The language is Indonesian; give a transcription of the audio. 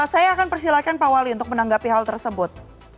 saya akan persilahkan pak wali untuk menanggapi hal tersebut